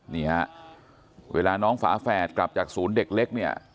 นี่ฮะเวลาน้องฝาแฝดกลับจากศูนย์เด็กเล็กเนี่ย